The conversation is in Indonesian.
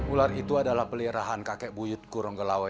ular itu adalah peliharaan kakek buyutku ronggolawe